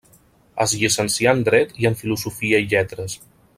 Es llicencià en Dret i en Filosofia i Lletres.